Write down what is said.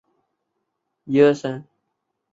斑皿盖蛛为皿蛛科皿盖蛛属的动物。